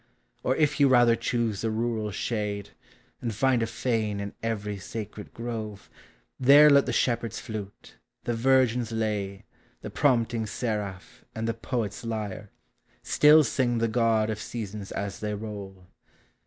Or if you rather choose the rural shade. And find a fane in every sacred grove, There let the shepherd's flute, the virgin's lay. The prompting seraph, and the poet's lyre, Still sing the God of Seasons as they roll.